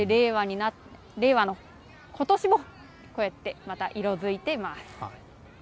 令和のことしも、こうやってまた色づいています。